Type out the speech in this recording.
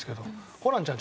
ホランちゃん